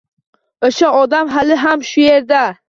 O`sha odam hali ham shu erdami